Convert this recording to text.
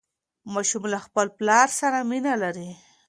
ماشوم له خپل پلار سره مینه لري.